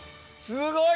すごい！